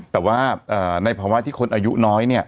แต่ว่าในภาวะที่คนอายุน้อยเนี่ย